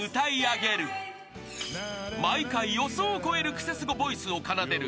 ［毎回予想を超えるクセスゴボイスを奏でる］